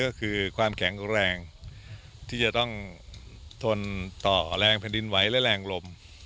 ก็คือความแข็งและแรงที่ยังต้องต่อแรงแผ่นดินไวน์และแรงลม